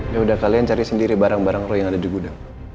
yaudah kalian cari sendiri barang barang roy yang ada di gudang